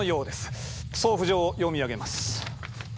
送付状を読み上げます。